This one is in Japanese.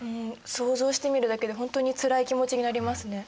想像してみるだけで本当につらい気持ちになりますね。